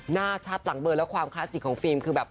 หน้าชัดหลังเบอร์แล้วความคลาสสิกของฟิล์มคือแบบ